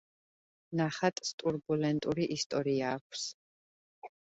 ნახატს ტურბულენტური ისტორია აქვს.